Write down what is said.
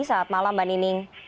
selamat malam mbak nining